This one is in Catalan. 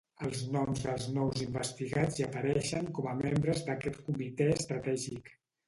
Els noms dels nous investigats hi apareixen com a membres d’aquest comitè estratègic.